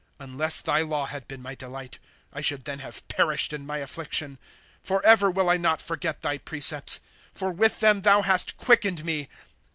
92 Unless thy law had been my delight, I should then have perished in my affliction. 93 Forever will I not forget thy precepts ; For with them thou hast quickened me.